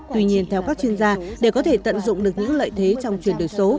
tuy nhiên theo các chuyên gia để có thể tận dụng được những lợi thế trong chuyển đổi số